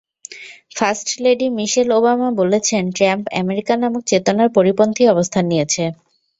First lady Michelle Obama বলেছেন, Trump America নামক চেতনার পরিপন্থী অবস্থান নিয়েছেন।